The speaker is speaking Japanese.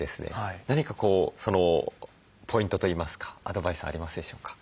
何かポイントといいますかアドバイスありますでしょうか？